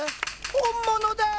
本物だ！